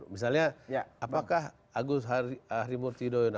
misalnya apakah agus harimurti yudhoyono